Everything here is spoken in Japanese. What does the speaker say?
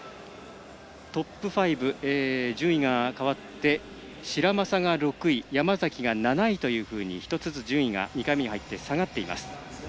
トップ５順位がかわって白砂が６位山崎が７位というふうに１つずつ順位が２回目に入って下がっています。